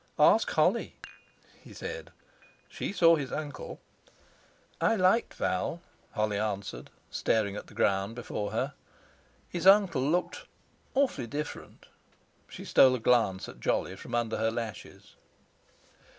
"Ask Holly," he said; "she saw his uncle." "I liked Val," Holly answered, staring at the ground before her; "his uncle looked—awfully different." She stole a glance at Jolly from under her lashes.